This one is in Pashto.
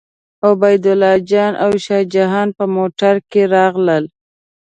عبیدالله جان او شاه جان په موټر کې راغلل.